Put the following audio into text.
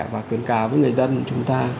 và khuyến cáo với người dân chúng ta